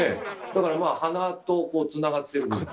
だからまあ鼻とこうつながってるんです。